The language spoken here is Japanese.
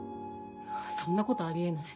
そんなことあり得ない。